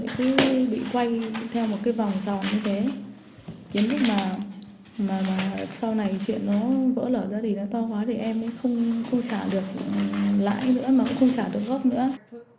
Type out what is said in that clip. yến thích mà sau này chuyện nó vỡ lở ra thì nó to quá để em không trả được lãi nữa mà cũng không trả được gốc nữa